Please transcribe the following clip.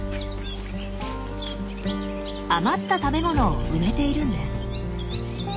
余った食べ物を埋めているんです。